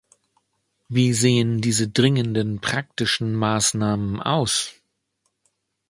Wie sehen diese dringenden praktischen Maßnahmen aus?